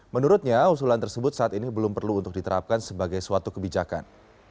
menurutnya usulan tersebut saat ini belum perlu untuk diterapkan sebagai suatu kebijakan